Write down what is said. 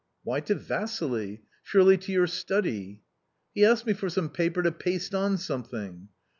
" Why to Vassily ? surely to your study." " He asked me for some paper to paste on something.